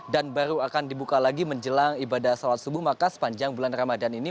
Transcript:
dan baru akan dibuka lagi menjelang ibadah sholat subuh maka sepanjang bulan ramadan ini